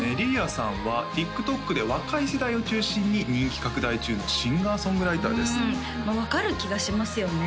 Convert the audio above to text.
さんはＴｉｋＴｏｋで若い世代を中心に人気拡大中のシンガー・ソングライターですうん分かる気がしますよね